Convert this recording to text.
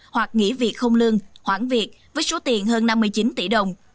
hoặc nghỉ việc không lương hoãn việc với số tiền hơn năm mươi chín tỷ đồng